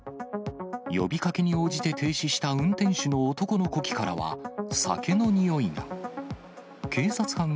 呼びかけに応じて停止した運転手の男の呼気からは、酒のにおいが。